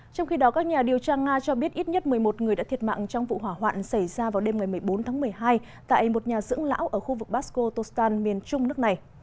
trong khi đó các nhà điều tra nga cho biết ít nhất một mươi một người đã thiệt mạng trong vụ hỏa hoạn xảy ra vào đêm ngày một mươi bốn tháng một mươi hai tại một nhà dưỡng lão ở khu vực basko tostan miền trung nước này